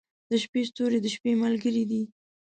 • د شپې ستوري د شپې ملګري دي.